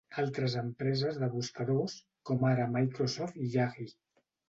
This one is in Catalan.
Altres empreses de buscadors, com ara Microsoft i Yahoo!